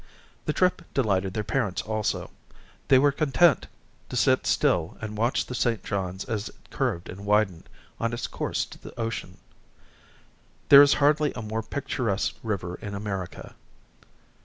The trip delighted their parents also. They were content to sit still and watch the St. Johns as it curved and widened on its course to the ocean. There is hardly a more picturesque river in America.